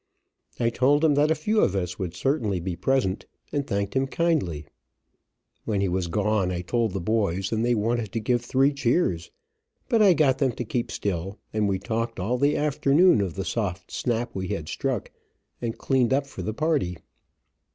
I told him that a few of us would certainly be present, and thanked him kindly. When he was gone I told the boys, and they wanted to give three cheers, but I got them to keep still, and we talked all the afternoon of the soft snap we had struck, and cleaned up for the party.